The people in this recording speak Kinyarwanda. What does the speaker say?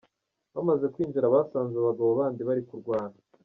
Bamaze kwinjira, basanze abagabo bandi bari kurwana.